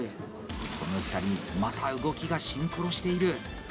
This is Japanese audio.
この２人また動きがシンクロしている！